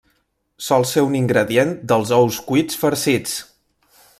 Sol ser un ingredient dels ous cuits farcits.